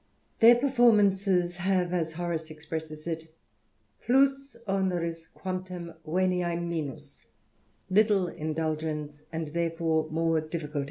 Their pe^ formances have, as Horace expresses it, plus onerii guantunt venia minus, littie indulgence, and therefore more difficult..